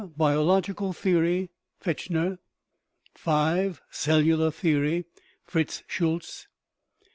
Biological Theory (Fechner) ; V. Cellular Theory (Fritz Schultze) ; VI.